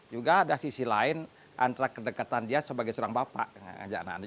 juga ada sisi lain antara kedekatan dia sebagai seorang bapak mengajar anak anak